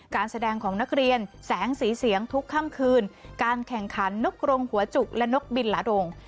การแสดงของนักเรียนแสงสีเสียงทุกค่ำคืนการแข่งขันนกรงหัวจุกและนกบินหลาดง